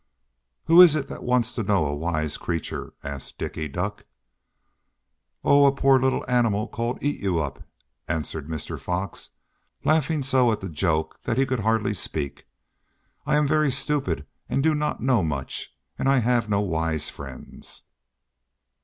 "Who is it that wants to know a wise creature?" asked Dicky Duck. "Oh, a poor little animal called Eatyoup," answered Mr. Fox, laughing so at his joke that he could hardly speak. "I am very stupid and do not know much and I have no wise friends."